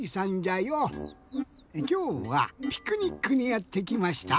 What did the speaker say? きょうはピクニックにやってきました。